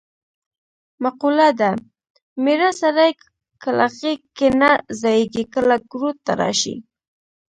مقوله ده: مېړه سړی کله غېږ کې نه ځایېږې کله ګروت ته راشي.